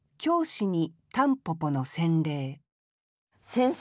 先生